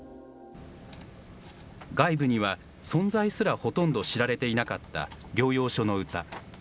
外部には存在すらほとんど知られていなかった療養所の歌。